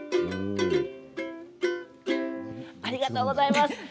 ありがとうございます。